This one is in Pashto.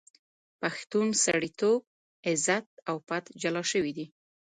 پښتون سړیتوب، عزت او پت جلا شوی دی.